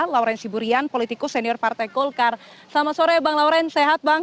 lauren siburian politikus senior partai golkar selamat sore bang lauren sehat bang